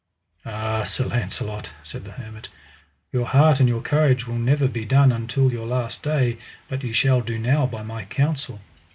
Ah, Sir Launcelot, said the hermit, your heart and your courage will never be done until your last day, but ye shall do now by my counsel.